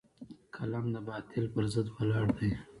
قلم د باطل پر ضد ولاړ دی